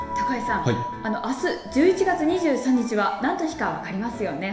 あす１１月２３日は何の日か分かりますよね。